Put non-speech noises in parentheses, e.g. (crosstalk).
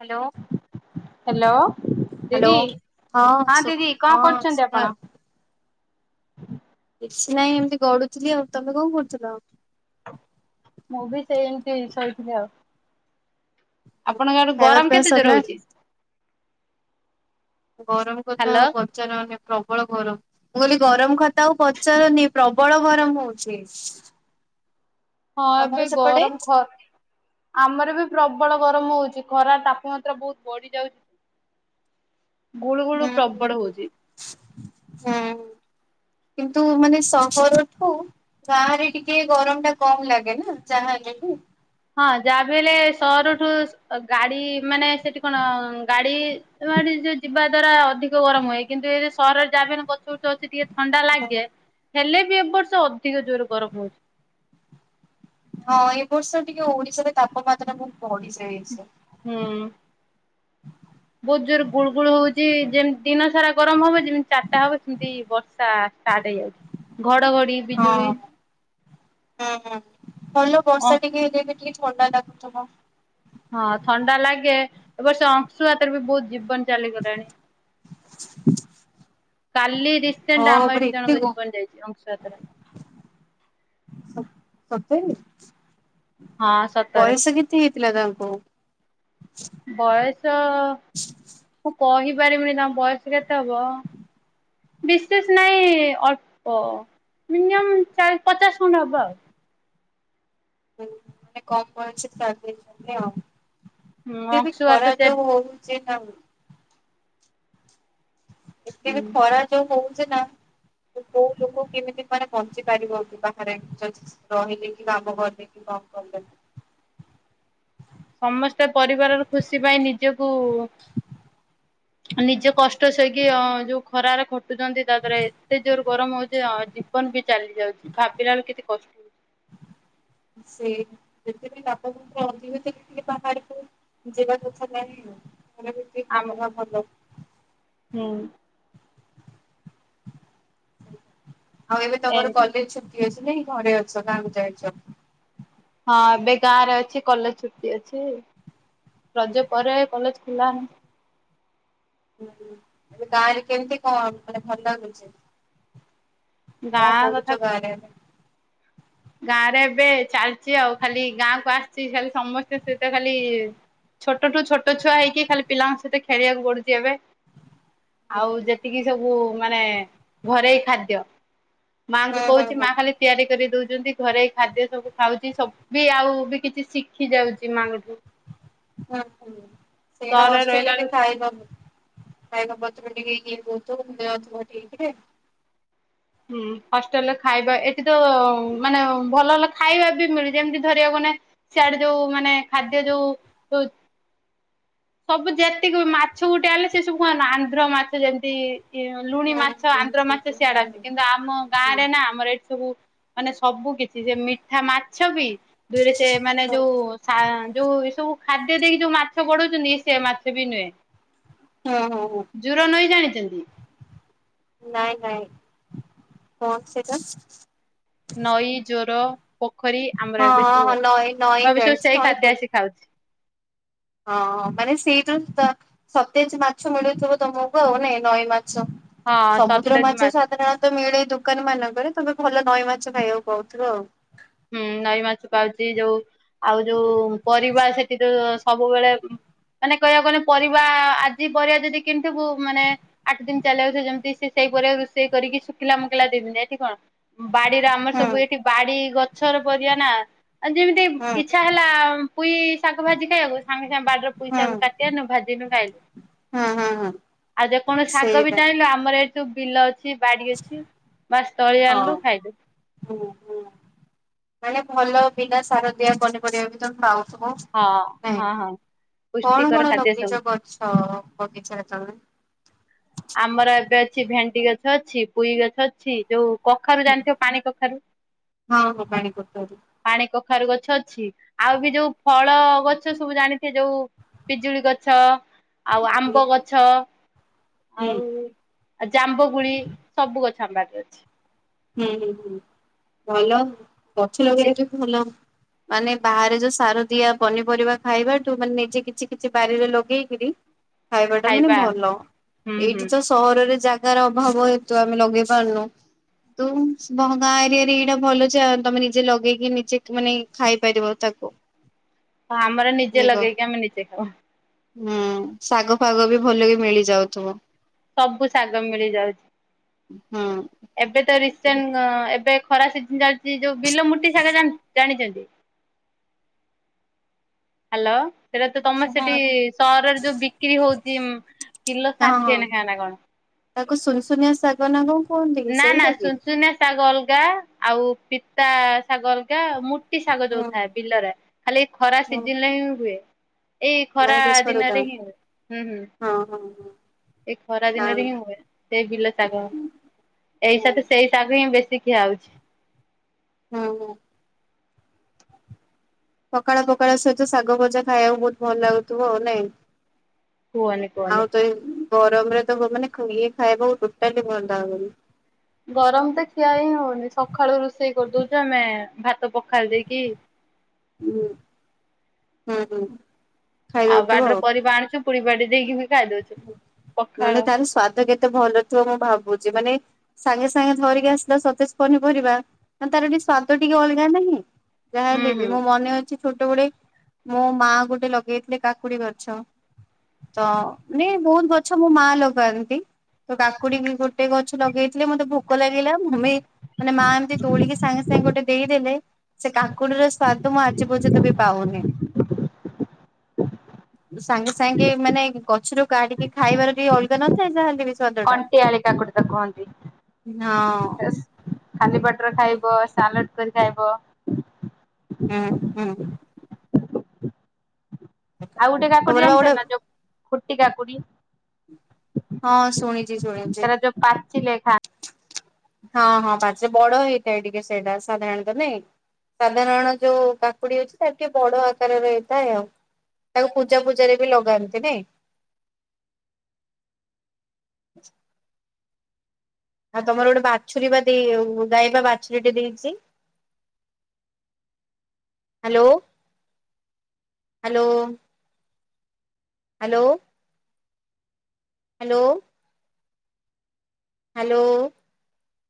Hello. Hello hello ଦିଦି ହଁ ସୁ ଦିଦି କଣ ହଁ କରୁଛନ୍ତି ସୁଭା ଆପଣ? କିଛି ନାହିଁ ଏମିତି ଗଡୁଥିଲି ଆଉ ତମେ କଣ କରୁଥିଲ? ମୁଁ ବି ସେ ଏମିତି ଶୋଇଥିଲି ଆଉ ଆପଣଙ୍କ ଆଡେ ଖାଇବା ଗରମ ପିଇବା କେତେ ସରିଲା? ଜୋର ହଉଛି? ଗରମ କଥା ଆଉ ହ୍ୟାଲୋ। ପଚାରନି ପ୍ରବଳ ଗରମ। ମୁଁ କଇଲି ଗରମ ଖତା ଆଉ ପଚାରନି ପ୍ରବଳ ଗରମ ହଉଛି। ହଁ ତମର ଏବେ ସେପଟେ? ଗରମ ଖର ଆମର ବି ପ୍ରବଳ ଗରମ ହଉଛି ଖରା ତାପମାତ୍ରା ବହୁତ ବଢି ଯାଉଛି। (inaudible) ଗୁଳୁ ହୁଁ ଗୁଳୁ ହୁଁ ପ୍ରବଳ ହଉଛି। ହୁଁ କିନ୍ତୁ ମାନେ ସହରଠୁ ବାହାରେ ଟିକେ ଗରମ ଟା କମ ଲାଗେ ନା ଯାହାହେଲେବି। ହଁ ଯାହା ବି ହେଲେ ସହରଠୁ ଗାଡି ମାନେ ସେଠି କଣ ଗାଡି ଏ ଯିବା ଦ୍ଵାରା ଅଧିକ ଗରମ ହୁଏ କିନ୍ତୁ ଏ ସହରରେ ଯାନି ଗଛ ବଛ ଅଛି ଟିକେ ଥଣ୍ଡା ହଁ ଲାଗେ ହେଲେ ବି ଏ ବର୍ଷ ଅଧିକ ଜୋର ଗରମ ହଉଛି। ହଁ ଏ ବର୍ଷ ଟିକେ ଓଡିଶାରେ ତାପମାତ୍ରା ବହୁତ ବଢି ଯାଇଛି। ହୁଁ। ବହୁତ ଜୋରରେ ଗୁଳୁ ଗୁଳ ହଉଛି ଯେମତି ଦିନ ସାରା ଗରମ ହବ ଯେମିତି ଚାରିଟା ହବ ସେମିତି ବର୍ଷା ଟାଟ ହେଇ ଯାଉଛି ଘଡଘଡି ହଁ ବିଜୁଳି ହଁ ହଁ ଭଲ ଅଁ ବର୍ଷା ଟିକେ ଦେବେ ଟିକେ ଥଣ୍ଡା ଲାଗୁଥିବ। ହଁ ଥଣ୍ଡା ଲାଗେ ଏବର୍ଷ ଅଂଶୁଘାତ ରେ ବି ବହୁତ ଜୀବନ ଚାଲିଗଲାଣି କାଲି ଦେଖି ସେନ୍ତି ହଁ ଆମ ପରେ ଏଠି ଏତେ ଜଣଙ୍କ ଗ ଜୀବନ ଯାଇଛି ଅଂଶୁଘାତ ରେ। ସତରେ! ହଁ ସତରେ। ବୟସ କେତେ ହେଇଥିଲା ତାଙ୍କୁ? ବୟସ ମୁଁ କହିପାରିବିନି ତାଙ୍କ ବୟସ କେତେ ହବ। ବିଶେଷ ନାଇଁ ଅଳ୍ପ ମିନିଅମ୍ ଚାର ପଚାଶ ଖଣ୍ଡ ହବ ଆଉ। ମାନେ କମ୍ (unintelligible) ଆଉ ଏତେ ବି ଅଂଶୁଘାତ ଖରା ସେ ଯୋଉ ହଉ ସେ (unintelligible) ଏତେ ବି ଖରା ଯୋଉ ହଉଛି ନା କୋଉ ଲୋକ କେମିତି ମାନେ ବଞ୍ଚି ପାରିବ କି ବାହାରେ। (unintelligible) ରହିଲେ କି କାମ କଲେ କି କଣ କଲେ। ସମସ୍ତେ ପରିବାରର ଖୁସି ପାଇଁ ନିଜକୁ ନିଜ କଷ୍ଟ ସହିକି ଅ ଯୋଉ ଖରାରେ ଖଟ ଖଟୁଛନ୍ତି ତା ପରେ ଏତେ ଜୋରେ ଗରମ ହଉଛି ଅ ଜୀବନ ବି ଚାଲିଯାଉଛି ଭାବିଲାବେଳକୁ କେତେ କଷ୍ଟ ସେ ଯେତେ ବି ବାପ ବୋଉଙ୍କ (unintelligible) ବାହାରକୁ ଯିବା କଥା ଜାଣିନୁ ଘର ଭିତରେ ଆମ ରହିବା ଭଲ। ହୁଁ। ଆଉ ଏବେ ଏ ତମର କଲେଜ ଛୁଟି ଅଛି ନାଇଁ ଘରେ ଅଛ ଗାଁ କୁ ଯାଇଛ। ହଁ ଏବେ ଗାଁ ରେ ଅଛି କଲେଜ ଛୁଟି ଅଛି, ରଜ ପରେ କଲେଜ ଖୋଲା ହୁଁ ଏବେ ଗାଁରେ କେମିତି କଣ ମାନେ ଭଲ ଲାଗୁଛି? କଣ ଗାଁ କଥା କରୁଛ ଗାଁରେ ଏବେ? ଗାଁ ରେ ଏବେ ଚାଲିଛି ଆଉ ଖାଲି ଗାଁ କୁ ଆସିଛି ଖାଲି ସମସ୍ତଙ୍କ ସହିତ ଖାଲି ଛୋଟଠୁ ଛୋଟ ଛୁଆ ହେଇକି ଖାଲି ପିଲାଙ୍କ ସହିତ ଖେଳିବାକୁ ପଡୁଛି ଏବେ। ହୁଁ ଆଉ ଯେତିକି ସବୁ ମାନେ ଘରେଇ ଖାଦ୍ୟ ମାଙ୍କୁ ହୁଁ ହୁଁ କହୁଛି ମା ହୁଁ ଖାଲି ତିଆରି କରିଦଉ ଯେମିତି ଘରୋଇ ଖାଦ୍ୟ ସବୁ ଖାଉଛି ସବଜି ଆଉ ବି କିଛି ଶିଖିଯାଉଛି ମାଙ୍କଠୁ। କଣ ଖାଇବ ଏବେ ସେଇ ତ ସହରରେ ହଷ୍ଟେଲରେ ରହିଲା ବି ବେଳୁ ଖାଇବା ମିଳେ ଖାଇବା ପତ୍ର ଟିକେ କିଏ କହୁଥିବ (unintelligible) ହୁଁ ହଷ୍ଟେଲରେ ଖାଇବା ଏଠି ତ ମାନେ ଭଲ ଭଲ ଖାଇବା ବି ମିଳେ ଯେମିତି ଧରିବାକୁ ଗନେ ସିଆଡେ ଯୋଉ ମାନେ ଖାଦ୍ୟ ଯୋଉ ଉ ସବୁ ଯେତିକି ବି ମାଛ ଗୋଟେ ଆଣିଲେ ସେ ସବୁ କୁହନ୍ତି ଆନ୍ଧ୍ର ମାଛ ଯେମତି କି ଲୁଣି ହୁଁ ମାଛ ହୁଁ ଆନ୍ଧ୍ର ମାଛ ହୁଁ ସିଆଡେ ହୁଁ। ଅଛି କିନ୍ତୁ ଆମ ଗାଁ ରେ ନା ଆମର ଏଠି ସବୁ ମାନେ ସବୁ କିଛି ସେ ମିଠା ମାଛ ବି ଦୁଇରେ ସେମାନେ ହୁଁ ଯୋଉ ସା ଯୋଉ ଏ ସବୁ ଖାଦ୍ୟ ଦେଇକି ଯୋଉ ମାଛ ବଢଉଛନ୍ତି ଇଏ ସେ ମାଛ ବି ନୁହେଁ। ହୁଁ ହୁଁ ହୁଁ। ଜୋର ନଈ ଜାଣିଛନ୍ତି? ନାଇଁ ନାଇଁ କଣ ସେଟା? ନଈ, ଜୋର, ପୋଖରୀ ଆମର ହଁ ଏବେ ହଁ ସବୁ ହଁ ନଈ ନଈ ଅବଶ୍ୟ ଜାଣିଛି ସେଇ ନଈ ଖାଦ୍ୟ ଆସିକି ଖାଉଛି। ହଁ ମାନେ ସେଇଠୁ ସ ସତେଜ ମାଛ ମିଳୁଥିବ ତମକୁ ଆଉ ନାଇଁ ନଈ ମାଛ। ହଁ ସମୁଦ୍ର ସତେଜ ମାଛ ସାଧାରଣ ତ ମିଳେ ଦୋକାନମାନଙ୍କରେ ତମେ ଭଲ ନଈ ମାଛ ଖାଇବାକୁ ପାଉଥିବ ଆଉ। ହୁଁ ନଈ ମାଛ ପାଉଛି ଯୋଉ ଆଉ ଯୋଉ ପରିବା ସେଠି ଯୋଉ ସବୁବେଳେ ମାନେ କହିବାକୁ ଗନେ ପରିବା ଆଜି ପରିବା ଯଦି କିଣିଥିବୁ ମାନେ ଆଠ ଦିନ ଚାଲି ଯାଉଛି ଯେମିତି ସେ ସେଇ ପରିବା ରୁଷେଇ କରିକି ଶୁକିଲା ମୁକିଲା ଦେଇଦିଅନ୍ତି ଏଠି କଣ? ବାଡିରେ ଆମର ହୁଁ ସବୁ ଏଠି ବାଡି ଗଛର ପରିବା ନା! ଆଉ ଯେମିତି ହୁଁ ଇଚ୍ଛା ହେଲା ପୁଇ ଶାଗ ଭାଜି ଖାଇବାକୁ ସାଙ୍ଗେ ସାଙ୍ଗେ ବାଡିରୁ ପୁଇ ଶାଗ କାଟିନୁ ଭାଜିନୁ ଖାଇଲୁ। ହଁ। ହୁଁ ହୁଁ। ଆଉ ଯେକୌଣସି ଶାଗ ବି ସେଇଟା ଚାହିଁଲୁ ଆମର ଏ ସବୁ ବିଲ ଅଛି ବାଡି ଅଛି ବାସ୍ ତୋଳି ଆଣିଲୁ ଖାଇଲୁ। ଉଁ ହୁଁ। ମାନେ ଭଲ ବିନା ସାର ଦିଆ ପନିପରିବା ବି ତମେ ପାଉ। ହଁ ନାଇଁ ହଁ ହଁ କଣ ପୁଷ୍ଟିକର କଣ ଖାଦ୍ୟ ସବୁ। ଲଗେଇଚ ଗଛ ବଗିଚାରେ ତମେ? ଆମର ଏବେ ଅଛି ଭେଣ୍ଡି ଗଛ ଅଛି ପୁଇ ଗଛ ଅଛି ଯୋଉ କଖାରୁ ଜାଣିଥିବ ପାଣି କଖାରୁ। ହଁ ହଁ ପାଣି କୋଟରୁ ପାଣି କଖାରୁ ଗଛ ଅଛି ଆଉ ବି ଯୋଉ ଫଳ ଗଛ ସବୁ ଜାଣିଥେ ଯୋଉ ପିଜୁଳି ଗଛ ଆଉ ହୁଁ ଆମ୍ବ ଗଛ। ହୁଁ ଆଉ ଆ ଜାମ୍ବ ଗୁଳି ସବୁ ଗଛ ଆମ ବାଡ଼ିରେ ଅଛି। ହୁଁ ହୁଁ ହୁଁ ଭଲ ଗଛ ଲଗେଇବା ଅଛି ଯୋଉ ଭଲ। ମାନେ ବାହାରେ ଯୋଉ ସାର ଦିଆ ପନିପରିବା ଖାଇବାଠୁ ମାନେ ନିଜେ କିଛି କିଛି ବାରିରେ ଲଗେଇକିରି ଖାଇବାଟା ମାନେ ଖାଇବା ଭଲ ହୁଁ ଏଇଠି ହୁଁ ଚଷ୍ ସହରରେ ଜାଗାର ଅଭାବ ହେତୁ ଆମେ ଲଗେଇ ପାରୁନୁ। ତୁ ବହ ଗାଁ ଏରିଆରେ ଏଇଟା ଭଲ ଚା ତମେ ନିଜେ ଲଗେଇକି ନିଜେ ମାନେ ଖାଇପାରିବ ତାକୁ। ହ ଆମର ନିଜେ ଇଏ କ ଲଗେଇକି ଆମେ ନିଜେ ଖାଉ। ହୁଁ ଶାଗ ଫାଗ ବି ଭଲ କି ମିଳି ଯାଉଥୁବ। ସବୁ ଶାଗ ମିଳିଯାଉ ହଁ। ଏବେ ତ ରିସେଣ୍ଟ୍ ଗ ଏବେ ଖରା ସିଜିନ୍ ଜାଲ୍ ଯେ ଯୋଉ ବିଲମୂର୍ତ୍ତି ଶାଗ ଜାନ୍ ଜାଣିଚନ୍ତି? ହାଲୋ ସେଟା ତ ତମର ସେଠି ସହରରେ ଯୋଉ ବିକ୍ରି ହୋଉଚି ଉଁ କିଲୋ ହଁ ଷାଠିଏ ନେଖା ନା କଣ। ତାକୁ ଶୁନ ଶୁନିଆ ଶାଗ ନା କଁ ନାଁ ନାଁ ସୁନସୁନିଆ ଶାଗ ଅଲଗା ଆଉ ପିତା ଶାଗ ଅଲଗା ମୁ କି ଶାଗ ଯୋଉ ହୁଁ ଥାଏ ବିଲରେ ଖାଲି ଏଇ ଖରା ହୁଁ ସିଜିନ୍ ଲେ ହିଁ ହୁଏ। ଏଇ ଖରା ମାନେ ଗ୍ରୀଷ୍ମ ଋତୁ ଦିନରେ ହିଁ ହୁଏ ହୁଁ ହୁଁ। ହଁ ହଁ ହଁ। ଏ ଖରା ଦିନରେ ହିଁ ହୁଏ ସେଇ ବିଲ ଶାଗ ହୁଁ ଏଇ ସାତେ ସେଇ ଶାଗ ହିଁ ବେଶି ଖିଆ ହଉଛି। ହୁଁ ହୁଁ। ପକାଳା ପକାଳ ସହିତ ଶାଗ ଭଜା ଖାଇବାକୁ ବୋହୁତ ଭଲ ଲାଗୁଥୁବ ଆଉ, ନାଇଁ? କୁହନି କୁହନି। ଆଉ ତ ଏଇ ଗରମରେ ତ ବ ମାନେ ଖୁଇ ଖାଇଆକୁ ଟୋଟାଲି ଭଲ୍ ଲାଗୁନି। ଗରମ ତ ଖିଆ ହିଁ ହଉନି ସଖାଳୁ ରୋଷେଇ କରିଦୋଉଚୁ ଆମେ ଭାତ ପଖାଳି ଦେଇକି ଉଁ ହୁଁ ହୁଁ। ଆଉ ବାଡ଼ର ପରିବା ଆଣୁଚୁ ପୁଣି ବାଡ଼ି ଦେଇକି ବି ଖାଇଦଉଛୁ ପଖାଳ ମାନେ ତାର ସ୍ଵାଦ କେତେ ଭଲ ଥିବ ମୁଁ ଭାବୁଚି ମାନେ ସାଙ୍ଗେ ସାଙ୍ଗେ ଧରିକି ଆସିଲ ସତେଜ୍ ପନିପରିବା ଆଁ ତାର ବି ସ୍ଵାଦ ଟିକେ ଅଲଗା ନାହିଁ? ଯାହା ହୁଁ ହେଲେ ବି ହୁଁ। ମୁଁ ମନେ ଅ ଛି ଛୋଟଓଳେ ମୋ ମା ଗୋଟେ ଲଗେଇଥିଲେ କାକୁଡ଼ି ଗଛ ତ ନାଇଁ ବୋହୁତ ଗଛ ମୋ ମା ଲଗାନ୍ତି ତ କାକୁଡିି଼ କି ଗୋଟେ ଗଛ ଲଗେଇଥିଲେ ମତେ ଭୋ କ ଲାଗିଲା ମମି ମାନେ ମା ଏମିତି ତୋଳିକି ସାଙ୍ଗେ ସାଙ୍ଗ୍ ଗୋଟେ ଦେଇଦେଲେ ସେ କାକୁଡ଼ିର ସ୍ଵାଦ ମୁଁ ଆଜି ପର୍ଯ୍ୟନ୍ତ ବି ପାଉନି। ସାଙ୍ଗେ ସାଙ୍ଗେ ମାନେ ଗଛୁରୁ କାଢ଼ିକି ଖାଇବାର ଟିକେ ଅଲଗା ନଥାଏ ଯାହାହେଲେ ବି? ସ୍ଵାଦ ଟା। କଣ୍ଟିଆଳି କାକୁଡ଼ି ତ କୁହନ୍ତି। ହଁ ହେସ୍ ଖାଲି ପଟରେ ଖାଇବ ସାଲଟ୍ କରି ଖାଇବ। ହୁଁ ହୁଁ। ଆଉ ଗୋଟେ କାକୁଡ଼ି ତମର ବା ଜାଣିଚ ଗୋଟେ ନା ଯୋଉ ଯୋଉ ଫୁଟି କାକୁଡ଼ି। ହଁ ଶୁଣିଚି ଶୁଣିଚି। ତାର ଯୋଉ ପାଚିଲେ ଖା ହଁ ହଁ ପାଚେ ବଡ଼ ହେଇଥାଏ ଟିକେ ସେଇଟା ସାଧାରଣତଃ, ନାଇଁ? ସାଧାରଣ ଯୋଉ କାକୁଡ଼ି ଅଛି ତାଠୁ ଟିକେ ବଡ଼ ଆକାରରେ ହେଇଥାଏ ଆଉ। ତାକୁ ପୂଜା ପୂଜାରେ ବି ଲଗାନ୍ତି ନାଇଁ? ଆଉ ତମର ଗୋଟେ ବାଛୁରୀ ବା ଦେଇ ଗାଈ ପା ବାଛୁରୀଟେ ଦେଇଚି? Hello. Hello. Hello. Hello. Hello.